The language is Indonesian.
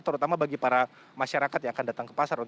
terutama bagi para masyarakat yang akan datang ke pasar